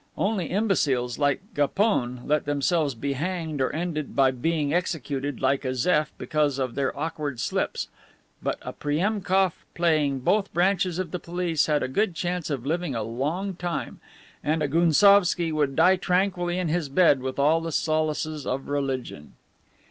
Only imbeciles, like Gapone, let themselves be hanged or ended by being executed, like Azef, because of their awkward slips. But a Priemkof, playing both branches of the police, had a good chance of living a long time, and a Gounsovski would die tranquilly in his bed with all the solaces of religion.